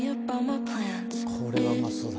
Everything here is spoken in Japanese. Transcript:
これはうまそうだ。